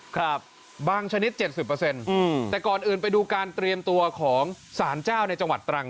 ครับบางชนิด๗๐แต่ก่อนอื่นไปดูการเตรียมตัวของสารเจ้าในจังหวัดตรัง